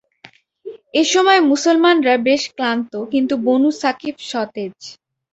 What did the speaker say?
এ সময় মুসলমানরা বেশ ক্লান্ত কিন্তু বনু ছাকীফ সতেজ।